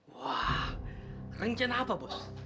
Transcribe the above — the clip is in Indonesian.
wah rencana apa bos